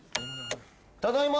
ただいま！